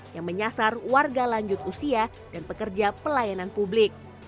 yang menyasar warga lanjut usia dan pekerja pelayanan publik